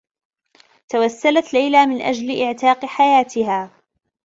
توسّلت ليلى من أجل إعتاق حياتها.